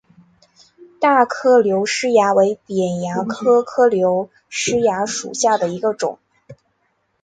大颗瘤虱蚜为扁蚜科颗瘤虱蚜属下的一个种。